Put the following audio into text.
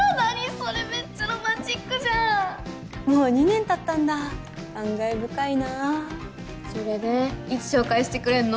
それめっちゃロマンチックじゃんもう２年たったんだ感慨深いなそれでいつ紹介してくれんの？